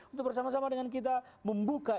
untuk bersama sama dengan kita membuka